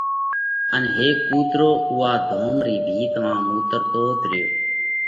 ان هيڪ ڪُوترو اُوئا ڌوم رِي ڀِت مانه مُوترتوت ريو۔